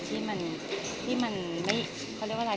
ที่มันที่มันไม่เขาเรียกว่าอะไร